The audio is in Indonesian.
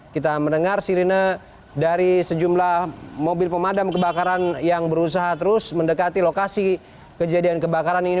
kita mendengar sirine dari sejumlah mobil pemadam kebakaran yang berusaha terus mendekati lokasi kejadian kebakaran ini